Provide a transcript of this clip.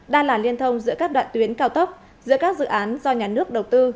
đa là liên thông giữa các đoạn tuyến cao tốc giữa các dự án do nhà nước đầu tư